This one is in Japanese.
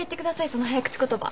その早口言葉。